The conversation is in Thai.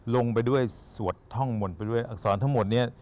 ลงไปด้วยสวดท่องมนต์ไปด้วยอักษรทั้งหมดนี้